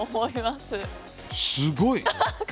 すごい！